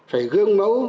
phải gương mẫu